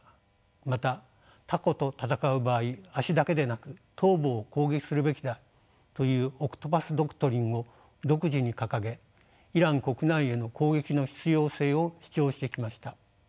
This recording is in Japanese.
またタコと戦う場合足だけでなく頭部を攻撃するべきだという「オクトパス・ドクトリン」を独自に掲げイラン国内への攻撃の必要性を主張してきました。